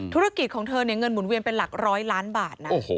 ธุรกิจของเธอเนี่ยเงินหมุนเวียนเป็นหลักร้อยล้านบาทนะ